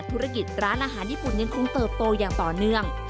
ธุรกิจร้านอาหารญี่ปุ่นยังคงเติบโตอย่างต่อเนื่อง